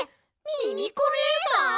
ミミコねえさん！？